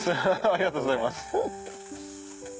ありがとうございます。